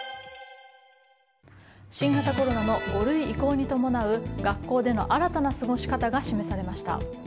新型コロナの５類移行に伴う学校での新たな過ごし方が示されました。